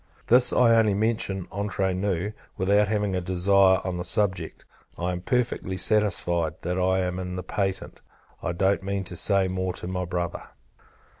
This I only mention entre nous, without having a desire on the subject. I am perfectly satisfied, that I am in the patent. I don't mean to say more to my Brother.